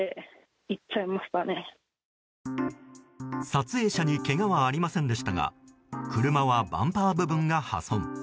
撮影者にけがはありませんでしたが車はバンパー部分が破損。